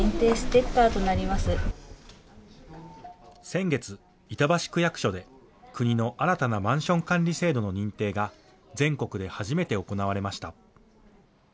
先月、板橋区役所で国の新たなマンション管理制度の認定が全国で初めて行われました。